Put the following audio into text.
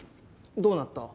どうなった？